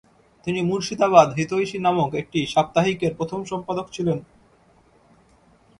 তিনি মুর্শিদাবাদ হিতৈষী নামক একটি সাপ্তাহিকের প্রথম সম্পাদক ছিলেন।